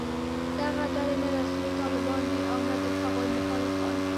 دغه ډلې نه رسمي طالبان دي او نه د هغوی مخالفان